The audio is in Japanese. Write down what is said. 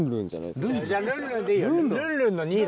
じゃあルンルンでいいよ。